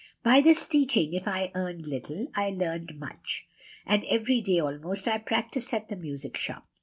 By this teaching, if I earned little, I learned much; and every day almost I practised at the music shop.